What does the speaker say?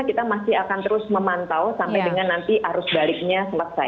kita masih akan terus memantau sampai dengan nanti arus baliknya selesai